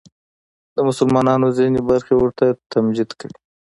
د مسلمانانو ځینې برخې ورته تمجید کوي